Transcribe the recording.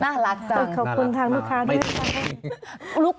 น่ารักจังน่ารักมาก